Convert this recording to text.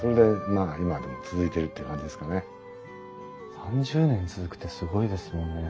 ３０年続くってすごいですもんね。